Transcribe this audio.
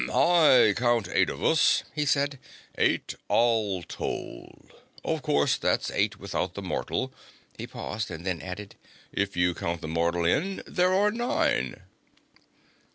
"I count eight of us," he said. "Eight, all told. Of course, that's eight without the mortal." He paused, and then added: "If you count the mortal in, there are nine."